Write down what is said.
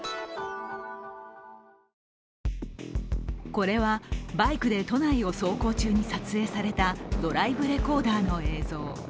これは、バイクで都内を走行中に撮影されたドライブレコーダーの映像。